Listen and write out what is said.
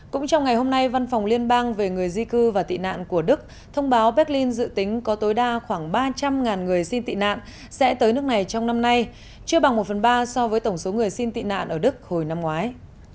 cũng trong ngày hôm nay văn phòng liên bang về người di cư và tị nạn của đức thông báo berlin dự tính có tối đa khoảng ba trăm linh người xin tị nạn sẽ tới nước này trong năm nay chưa bằng một phần ba so với tổng số người xin tị nạn ở đức hồi năm ngoái